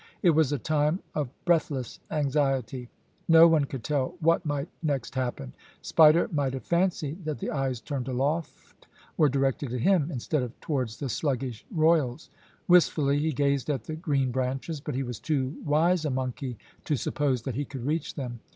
It was a time of breathless anxiety. No one could tell what might next happen. Spider might have fancied that the eyes turned aloft were directed at him, instead of towards the sluggish royals. Wistfully he gazed at the green branches, but he was too wise a monkey to suppose that he could reach them.